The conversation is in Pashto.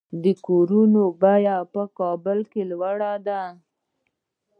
د کورونو بیې په کابل کې لوړې دي